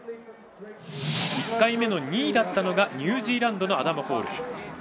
１回目の２位だったのがニュージーランドのアダム・ホール。